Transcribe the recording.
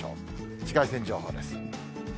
紫外線情報です。